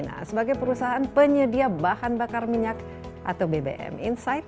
nah sebagai perusahaan penyedia bahan bakar minyak atau bbm insight